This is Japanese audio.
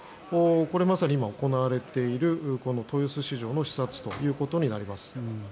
これ、まさに行われている豊洲市場の視察になります。